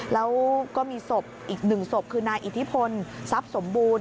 แล้วก็มีศพอีกหนึ่งศพคือนายอิทธิพลทรัพย์สมบูรณ